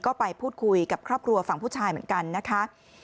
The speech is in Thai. ก็ไปพูดคุยกับครอบครัวฝั่งผู้ชายเหมือนกันนะคะ